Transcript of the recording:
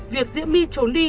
việc diễm my trốn đi